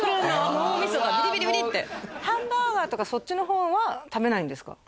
脳みそがビリビリビリ！ってハンバーガーとかそっちの方は食べないんですか？